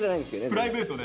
プライベートで。